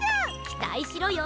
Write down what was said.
きたいしろよ！